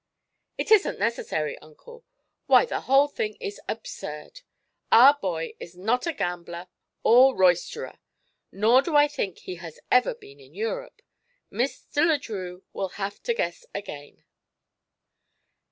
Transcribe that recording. "It isn't necessary, Uncle. Why, the whole thing is absurd. Our boy is not a gambler or roysterer, nor do I think he has ever been in Europe. Mr. Le Drieux will have to guess again!"